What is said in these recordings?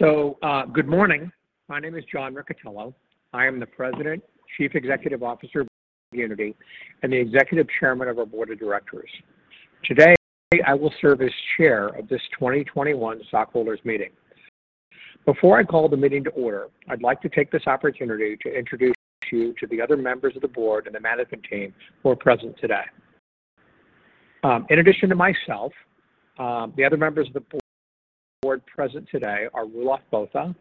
Good morning. My name is John Riccitiello. I am the President, Chief Executive Officer of Unity, and the Executive Chairman of our Board of Directors. Today, I will serve as Chair of this 2021 stockholders meeting. Before I call the meeting to order, I'd like to take this opportunity to introduce you to the other members of the Board and the management team who are present today. In addition to myself, the other members of the Board present today are Roelof Botha,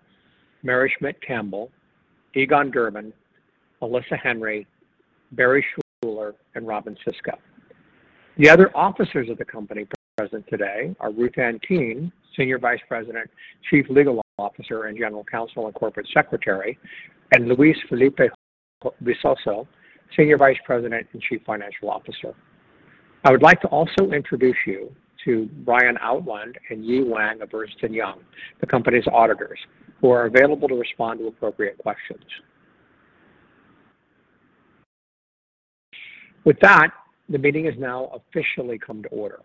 Mary Schmidt Campbell, Egon Durban, Robynne Sisco, Barry Schuler, and Robynne Sisco. The other Officers of the company present today are Ruth Ann Keene, Senior Vice President, Chief Legal Officer, and General Counsel, and Corporate Secretary, and Luis Felipe Visoso, Senior Vice President and Chief Financial Officer. I would like to also introduce you to Ryan Outland and Yi Wang of Ernst & Young, the company's auditors, who are available to respond to appropriate questions. With that, the meeting has now officially come to order.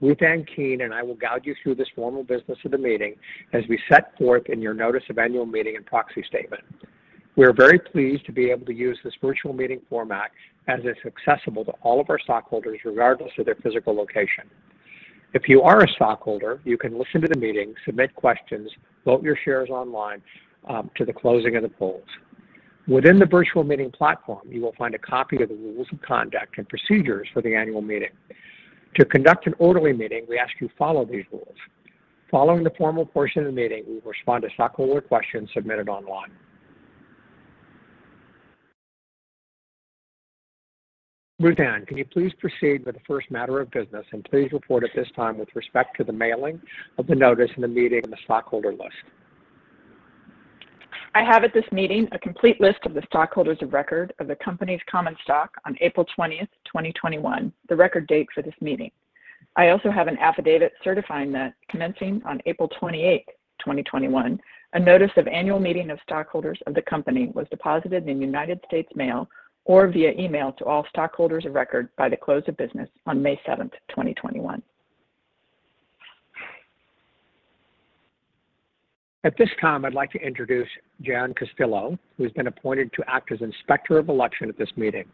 Ruth Ann Keene and I will guide you through this formal business of the meeting as we set forth in your notice of annual meeting and proxy statement. We are very pleased to be able to use this virtual meeting format as it's accessible to all of our stockholders, regardless of their physical location. If you are a stockholder, you can listen to the meeting, submit questions, vote your shares online to the closing of the polls. Within the virtual meeting platform, you will find a copy of the rules of conduct and procedures for the annual meeting. To conduct an orderly meeting, we ask you follow these rules. Following the formal portion of the meeting, we will respond to stockholder questions submitted online. Ruth Ann, can you please proceed with the first matter of business and please report at this time with respect to the mailing of the notice of the meeting and the stockholder list? I have at this meeting a complete list of the stockholders of record of the company's common stock on April 20th, 2021, the record date for this meeting. I also have an affidavit certifying that commencing on April 28th, 2021, a notice of annual meeting of stockholders of the company was deposited in United States mail or via email to all stockholders of record by the close of business on May 7th, 2021. At this time, I'd like to introduce Jan Costello, who's been appointed to act as Inspector of Election at this meeting.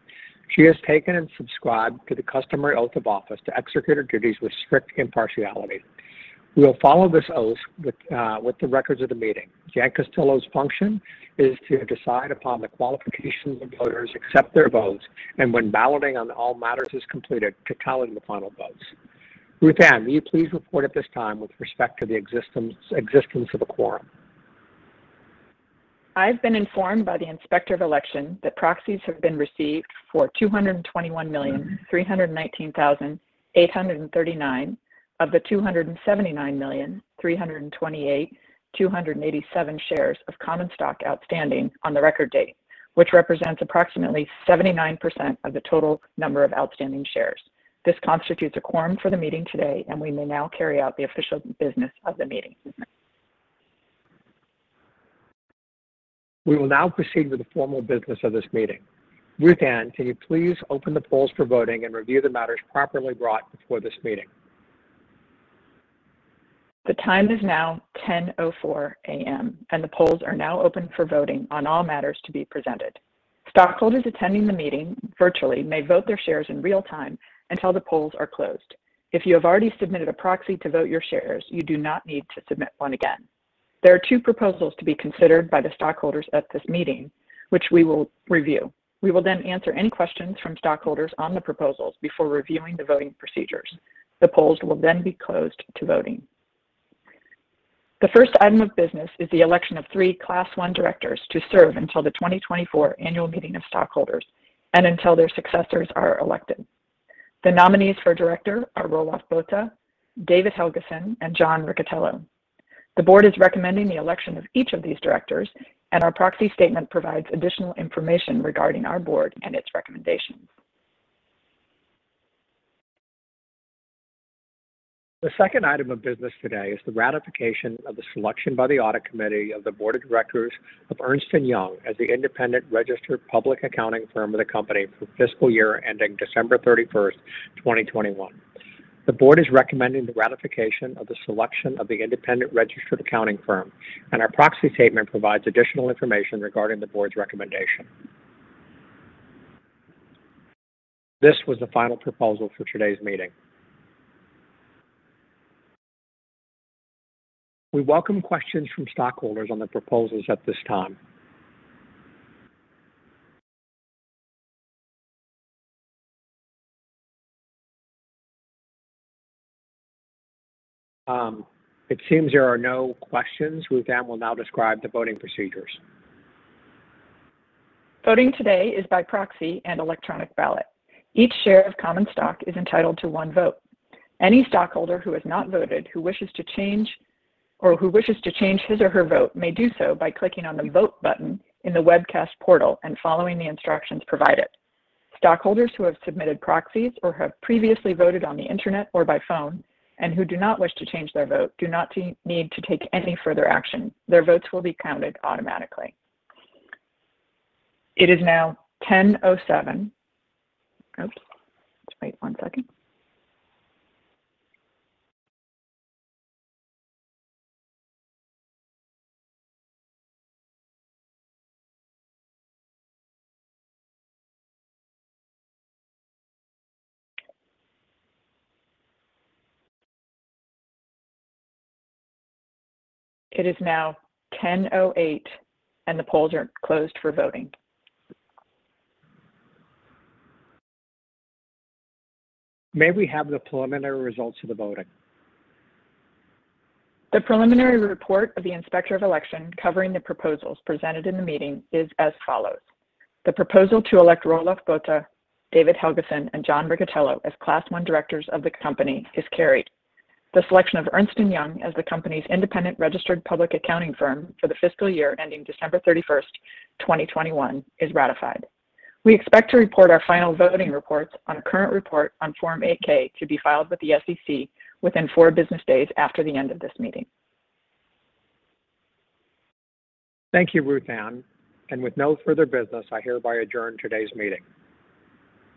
She has taken and subscribed to the customary oath of office to execute her duties with strict impartiality. We will follow this oath with the records of the meeting. Jan Costello's function is to decide upon the qualifications of voters, accept their votes, and when balloting on all matters is completed, to tally the final votes. Ruth Ann, will you please report at this time with respect to the existence of a quorum? I've been informed by the Inspector of Election that proxies have been received for 221,319,839 of the 279,328,287 shares of common stock outstanding on the record date, which represents approximately 79% of the total number of outstanding shares. This constitutes a quorum for the meeting today, and we may now carry out the official business of the meeting. We will now proceed with the formal business of this meeting. Ruth Ann, can you please open the polls for voting and review the matters properly brought before this meeting? The time is now 10:04 A.M., and the polls are now open for voting on all matters to be presented. Stockholders attending the meeting virtually may vote their shares in real time until the polls are closed. If you have already submitted a proxy to vote your shares, you do not need to submit one again. There are two proposals to be considered by the stockholders at this meeting, which we will review. We will then answer any questions from stockholders on the proposals before reviewing the voting procedures. The polls will then be closed to voting. The first item of business is the election of three Class I directors to serve until the 2024 annual meeting of stockholders and until their successors are elected. The nominees for director are Roelof Botha, David Helgason, and John Riccitiello. The board is recommending the election of each of these directors, and our proxy statement provides additional information regarding our board and its recommendations. The second item of business today is the ratification of the selection by the Audit Committee of the Board of Directors of Ernst & Young as the independent registered public accounting firm of the company for the fiscal year ending December 31st, 2021. The board is recommending the ratification of the selection of the independent registered accounting firm, and our proxy statement provides additional information regarding the board's recommendation. This was the final proposal for today's meeting. We welcome questions from stockholders on the proposals at this time. It seems there are no questions. Ruth Ann will now describe the voting procedures. Voting today is by proxy and electronic ballot. Each share of common stock is entitled to one vote. Any stockholder who has not voted or who wishes to change his or her vote may do so by clicking on the Vote button in the webcast portal and following the instructions provided. Stockholders who have submitted proxies or have previously voted on the internet or by phone and who do not wish to change their vote do not need to take any further action. Their votes will be counted automatically. It is now 10:07 A.M. Oops. Let's wait one second. It is now 10:08 A.M., and the polls are closed for voting. May we have the preliminary results of the voting? The preliminary report of the Inspector of Election covering the proposals presented in the meeting is as follows. The proposal to elect Roelof Botha, David Helgason, and John Riccitiello as Class I directors of the company is carried. The selection of Ernst & Young as the company's independent registered public accounting firm for the fiscal year ending December 31st, 2021 is ratified. We expect to report our final voting reports on a current report on Form 8-K to be filed with the SEC within four business days after the end of this meeting. Thank you, Ruth Ann. With no further business, I hereby adjourn today's meeting.